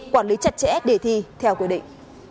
quản lý chặt chẽ để thi theo quy định